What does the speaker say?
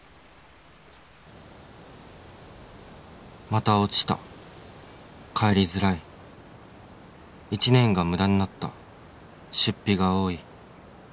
「また落ちた」「帰りづらい」「１年がムダになった出費が多い」